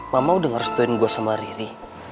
mama udah ngerestuin gue sama riri